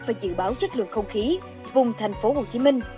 và dự báo chất lượng không khí vùng thành phố hồ chí minh